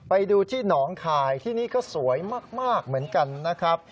ไปดูที่หนองคายที่นี่ก็สวยมากเหมือนกันนะครับ